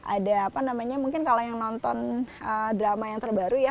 ada apa namanya mungkin kalau yang nonton drama yang terbaru ya